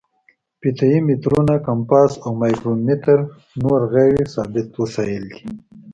فیته یي مترونه، کمپاس او مایکرو میټر نور غیر ثابت وسایل دي.